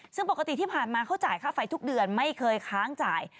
ซึ่งปกติที่ผ่านมาเขาจ่ายค่าไฟทุกเดือนไม่เคยค้างจ่าย